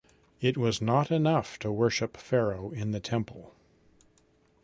It was not enough to worship Pharaoh in the temple.